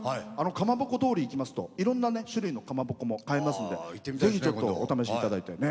かまぼこ通り行きますといろんな種類のかまぼこもありますのでぜひ、お試しいただいて。